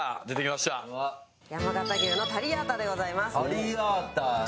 山形牛のタリアータでございます。